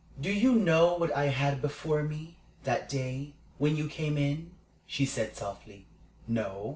"Do you know what I had before me that day when you came in?" she said, softly. "No.